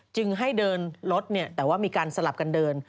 จึงให้เดินรถแต่ว่ามีการสลับกันเดิน